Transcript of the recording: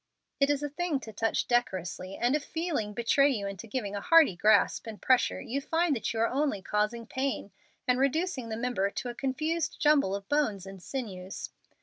It is a thing to touch decorously, and if feeling betray you into giving a hearty grasp and pressure, you find that you are only causing pain and reducing the member to a confused jumble of bones and sinews.